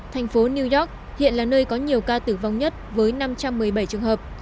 thành phố new york hiện là nơi có nhiều ca tử vong nhất với năm trăm một mươi bảy trường hợp